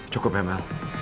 cukup ya mel